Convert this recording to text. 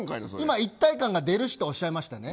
一体感が出るしとおっしゃいましたね。